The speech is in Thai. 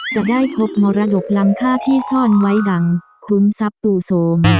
จะได้พบมรดกลำค่าที่ซ่อนไว้ดังคุ้มทรัพย์ตู่โสม